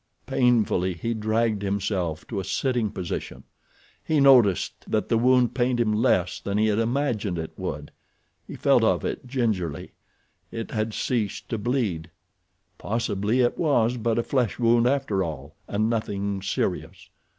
Painfully he dragged himself to a sitting position. He noticed that the wound pained him less than he had imagined it would. He felt of it gingerly—it had ceased to bleed. Possibly it was but a flesh wound after all, and nothing serious.